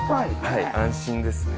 はい安心ですね。